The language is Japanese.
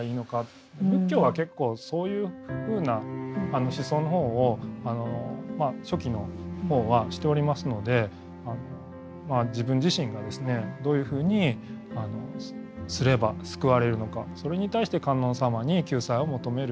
仏教は結構そういうふうな思想の方を初期の方はしておりますので自分自身がですねどういうふうにすれば救われるのかそれに対して観音様に救済を求める。